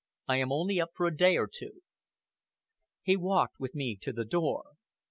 "I am only up for a day or two." He walked with me to the door.